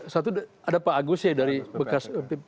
satu ada pak agusnya dari bekas bpk